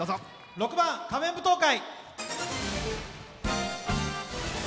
６番「仮面舞踏会」。